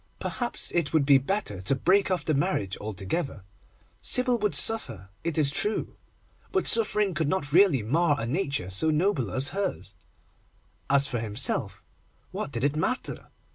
Perhaps, it would be better to break off the marriage altogether. Sybil would suffer, it is true, but suffering could not really mar a nature so noble as hers. As for himself, what did it matter?